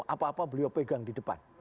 apa apa beliau pegang di depan